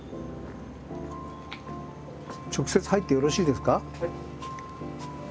直接入ってよろしいですか。